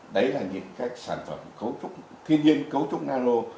đấy là những các sản phẩm cấu trúc thiên nhiên cấu trúc nao